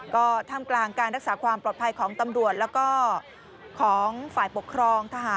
ก็ท่ามกลางการรักษาความปลอดภัยของตำรวจแล้วก็ของฝ่ายปกครองทหาร